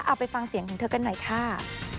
เอาไปฟังเสียงของเธอกันหน่อยค่ะ